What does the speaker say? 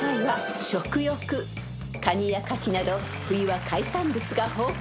［カニやカキなど冬は海産物が豊富］